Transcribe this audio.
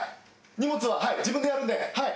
荷物は自分でやるんではい。